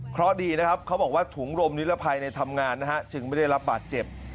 เพราะดีนะครับเขาบอกว่าถุงลมนิรภัยในทำงานนะฮะจึงไม่ได้รับบาดเจ็บ